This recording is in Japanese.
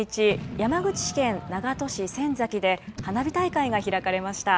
山口県長門市仙崎で花火大会が開かれました。